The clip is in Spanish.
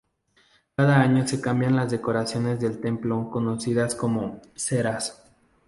Cada año se cambian las decoraciones del templo, conocidas como "ceras".